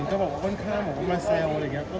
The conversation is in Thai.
ก็จะอยากขอบเม้นต์ฟูลส่งคนข้าม